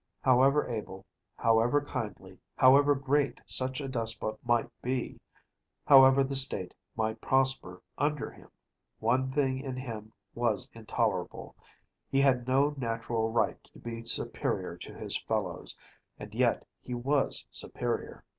However able, however kindly, however great such a despot might be; however the state might prosper under him, one thing in him was intolerable‚ÄĒhe had no natural right to be superior to his fellows, and yet he was superior.